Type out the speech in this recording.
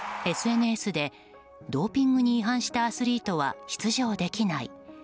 ＳＮＳでドーピングに違反したアスリートは出場できない。